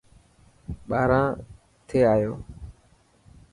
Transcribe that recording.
ٻاهران ٿي آيو.